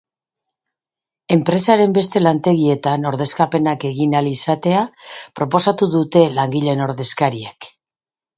Enpresaren beste lantegietan ordezkapenak egin ahal izatea proposatu dute langileen ordezkariek.